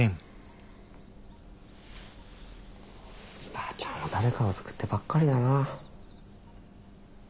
ばあちゃんは誰かを救ってばっかりだな。